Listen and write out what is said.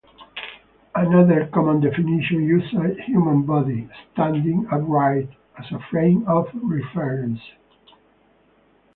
Another common definition uses a human body, standing upright, as a frame of reference.